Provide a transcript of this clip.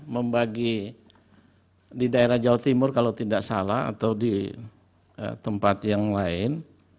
membagi di daerah jawa timur kalau tidak salah atau di tempat yang lain